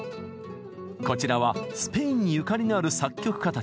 こちらはスペインにゆかりのある作曲家たち。